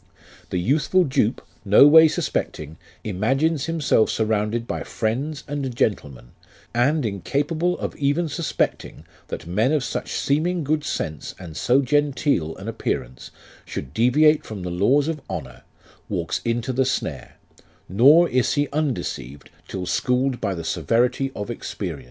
The youthful dupe, no way suspecting, imagines himself surrounded by friends and gentlemen, and incapable of even suspecting that men of such seeming good sense and so genteel an appearance, should deviate from the laws of honour, walks into the snare, nor is he undeceived till schooled by tlu severity of experience.